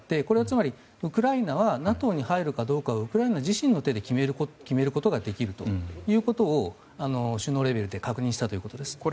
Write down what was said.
これはつまり、ウクライナはＮＡＴＯに入るかどうかはウクライナ自身の手で決めることができるということを首脳レベルで確認したということです。